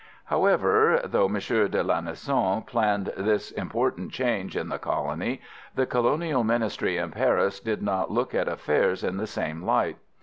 However, though M. de Lanessan planned this important change in the colony, the Colonial Ministry in Paris did not look at affairs in the same light.